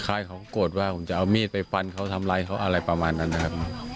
คล้ายเขาโกรธว่าผมจะเอามีดไปฟันเขาทำร้ายเขาอะไรประมาณนั้นนะครับ